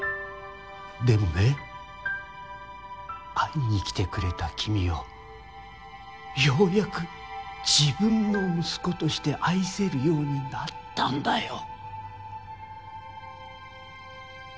でもね会いに来てくれた君をようやく自分の息子として愛せるようになったんだよ。